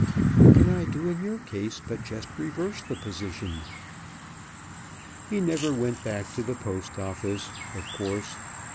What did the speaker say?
What can I do in your case but just reverse the position?" He never went back to the Post Office, of course.